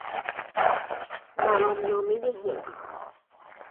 مرامنامه حزب